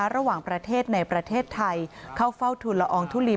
ระหว่างประเทศในประเทศไทยเข้าเฝ้าทุนละอองทุลี